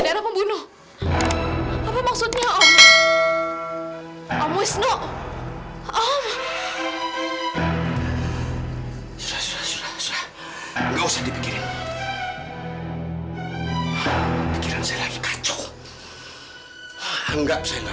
sampai jumpa di video selanjutnya